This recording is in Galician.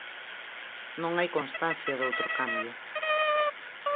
Non hai constancia doutro cambio.